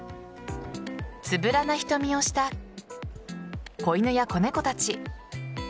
つぶらな瞳をした子犬や子猫たち。